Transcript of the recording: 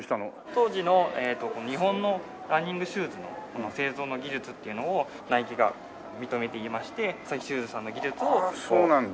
当時の日本のランニングシューズの製造の技術っていうのをナイキが認めていましてアサヒシューズさんの技術をお願いして。